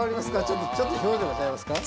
ちょっと表情が違いますか？